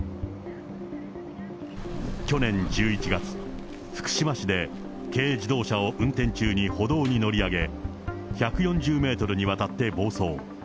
去年１１月、福島市で軽自動車を運転中に歩道に乗り上げ、１４０メートルにわたって暴走。